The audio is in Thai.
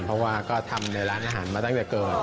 เพราะว่าก็ทำในร้านอาหารมาตั้งแต่เกิด